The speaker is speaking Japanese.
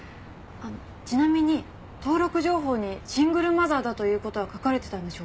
ちなみに登録情報にシングルマザーだという事は書かれてたんでしょうか？